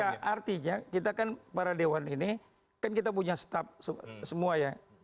ya artinya kita kan para dewan ini kan kita punya staff semua ya